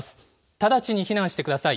直ちに避難してください。